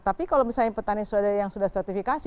tapi kalau misalnya petani sudah yang sudah sertifikasi